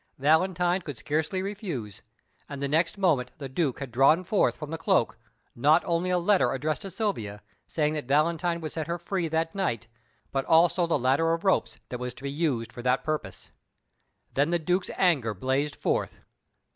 Valentine could scarcely refuse, and the next moment the Duke had drawn forth from the cloak not only a letter addressed to Silvia, saying that Valentine would set her free that night, but also the ladder of ropes that was to be used for that purpose. Then the Duke's anger blazed forth.